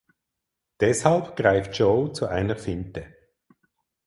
Deshalb greift Joe zu einer Finte.